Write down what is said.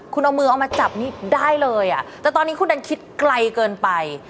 คุณเอามือเอามาจับนี่ได้เลยอ่ะแต่ตอนนี้คุณดันคิดไกลเกินไป